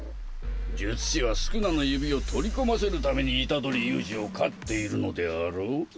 術師は宿儺の指を取り込ませるために虎杖悠仁を飼っているのであろう？